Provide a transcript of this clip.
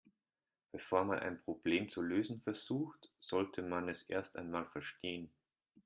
Bevor man ein Problem zu lösen versucht, sollte man es erst einmal verstehen.